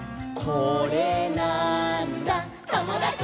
「これなーんだ『ともだち！』」